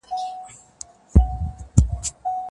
نوي میتودونه باید زده کړو.